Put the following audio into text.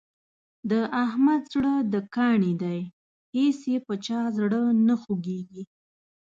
د احمد زړه د کاڼي دی هېڅ یې په چا زړه نه خوږېږي.